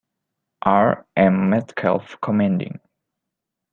R. M. Metcalf commanding.